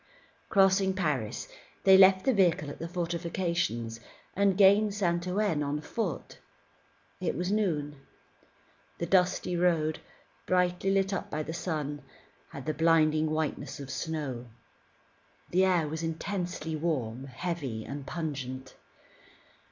Crossing Paris, they left the vehicle at the fortifications, and gained Saint Ouen on foot. It was noon. The dusty road, brightly lit up by the sun, had the blinding whiteness of snow. The air was intensely warm, heavy and pungent.